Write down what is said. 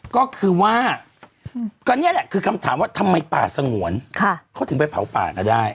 ก็คือว่าก็นี่แหละคือคำถามว่าทำไมป่าสงวนเขาถึงไปเผาป่าก็ได้